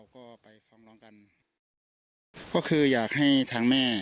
ก็คืออยากให้ทางแม่